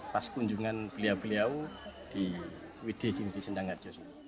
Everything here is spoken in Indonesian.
pas kunjungan beliau beliau di wd di sendang arjos